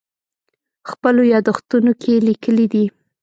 خپلو یادښتونو کې لیکلي دي.